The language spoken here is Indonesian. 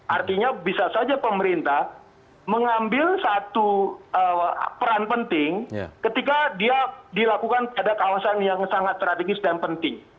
artinya bisa saja pemerintah mengambil satu peran penting ketika dia dilakukan pada kawasan yang sangat strategis dan penting